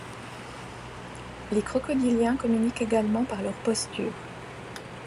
Les crocodiliens communiquent également par leurs postures.